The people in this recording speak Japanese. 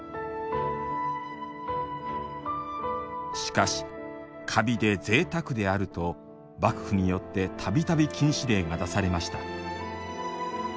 しかし「華美でぜいたくである」と幕府によって度々禁止令が出されました